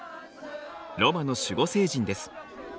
ロマの守護聖人です。